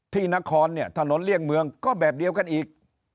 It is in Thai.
ที่นครเนี่ยถนนเลี่ยงเมืองก็แบบเดียวกันอีก